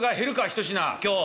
一品今日。